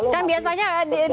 kan biasanya di